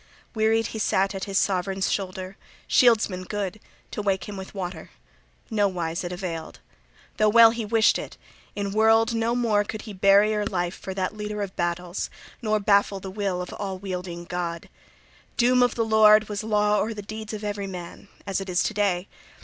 Wearied he sat at his sovran's shoulder, shieldsman good, to wake him with water. {37b} Nowise it availed. Though well he wished it, in world no more could he barrier life for that leader of battles nor baffle the will of all wielding God. Doom of the Lord was law o'er the deeds of every man, as it is to day.